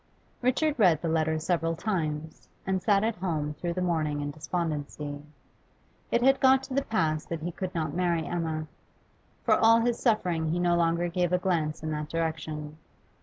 Richard read the letter several times, and sat at home through the morning in despondency. It had got to the pass that he could not marry Emma; for all his suffering he no longer gave a glance in that direction.